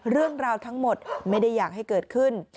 เรื่องราวทั้งหมดไม่ได้อยากให้เกิดขึ้น